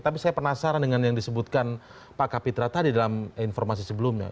tapi saya penasaran dengan yang disebutkan pak kapitra tadi dalam informasi sebelumnya